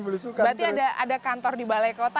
berarti ada kantor di balai kota